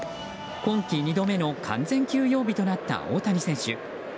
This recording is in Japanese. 今季２度目の完全休養日となった大谷選手。